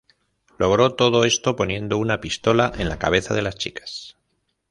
Logró todo esto poniendo una pistola en la cabeza de las chicas.